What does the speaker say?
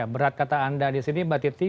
berat kata anda disini mbak titi